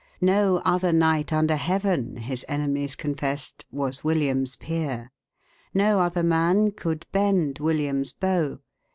No other knight under heaven, his enemies confessed, was William's peer. No other man could bend William's bow.